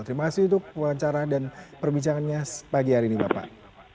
terima kasih untuk wawancara dan perbincangannya pagi hari ini bapak